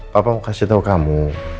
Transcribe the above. papa mau kasih tahu kamu